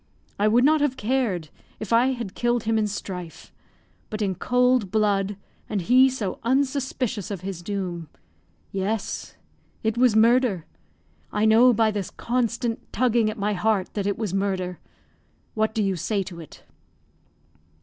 I would not have cared if I had killed him in strife but in cold blood, and he so unsuspicious of his doom! Yes, it was murder; I know by this constant tugging at my heart that it was murder. What do you say to it?"